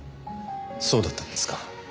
そうだったんですか。